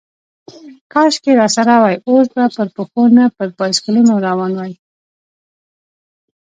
کاشکې راسره وای، اوس به پر پښو، نه پر بایسکلونو روان وای.